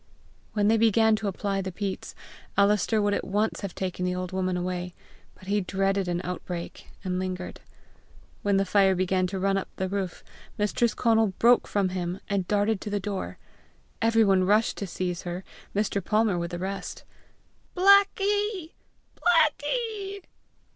When they began to apply the peats, Alister would at once have taken the old woman away, but he dreaded an outbreak, and lingered. When the fire began to run up the roof, Mistress Conal broke from him, and darted to the door. Every one rushed to seize her, Mr. Palmer with the rest. "Blackie! Blackie!